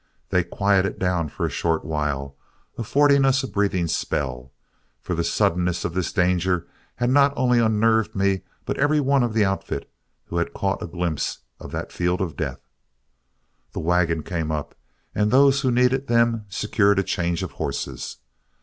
They quieted down for a short while, affording us a breathing spell, for the suddenness of this danger had not only unnerved me but every one of the outfit who had caught a glimpse of that field of death. The wagon came up, and those who needed them secured a change of horses.